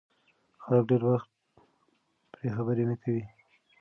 خلک ډېر وخت پرې خبرې نه کوي.